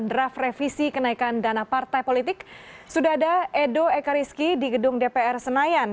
draft revisi kenaikan dana partai politik sudah ada edo ekariski di gedung dpr senayan